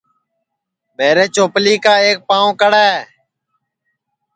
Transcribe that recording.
میرے چوپلی کا ایک پاو کڑے